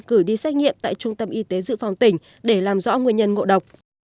cử đi xét nghiệm tại trung tâm y tế dự phòng tỉnh để làm rõ nguyên nhân ngộ độc